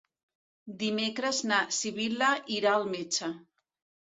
Dimecres na Sibil·la irà al metge.